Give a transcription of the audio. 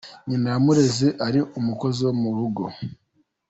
Nyina yamureze ari umukozi wo mu rugo.